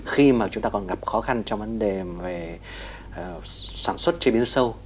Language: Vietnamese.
khi mà chúng ta còn gặp khó khăn trong vấn đề về sản xuất chế biến sâu